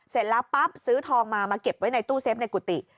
เสร็จแล้วปั๊บซื้อทองมามาเก็บไว้ในตู้เซฟในกุฏิ